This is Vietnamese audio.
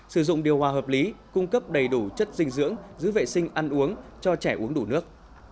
sử dụng điều hòa hợp lý cung cấp đầy đủ chất dinh dưỡng giữ vệ sinh ăn uống cho trẻ uống đủ nước